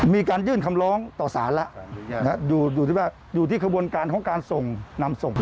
มีการยื่นคำร้องต่อศาลแล้วอยู่ที่ควรการของการส่งนำส่ง